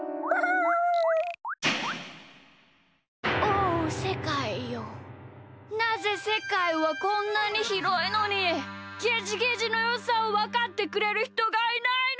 おおせかいよなぜせかいはこんなにひろいのにゲジゲジのよさをわかってくれるひとがいないのだ！